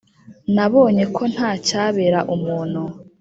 Nabonye ko nta cyabera umuntu